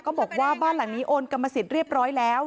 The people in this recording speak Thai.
บอกว่าบ้านหลังนี้โอนกรรมสิทธิ์เรียบร้อยแล้ว